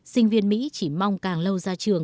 sinh viên mỹ chỉ mong càng lâu ra trường